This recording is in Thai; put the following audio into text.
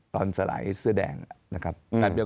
สลายเสื้อแดงนะครับ